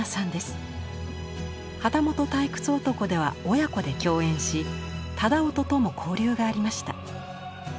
「旗本退屈男」では親子で共演し楠音とも交流がありました。